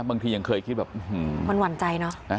บางที่อย่างเคยคิดแบบเฮ้มมว่านว่านใจเนอะ